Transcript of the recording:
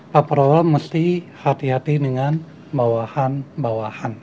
pak prabowo mesti hati hati dengan bawahan bawahan